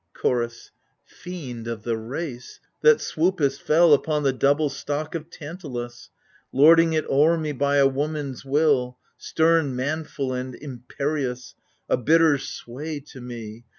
Chorus Fiend of the race I that swoopest fell Upon the double stock of Tantalus, Lording it o'er me by a woman's will, Stem, manful, and imperious — A bitter sway to me